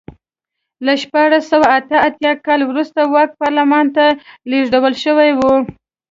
له شپاړس سوه اته اتیا کال وروسته واک پارلمان ته لېږدول شوی و.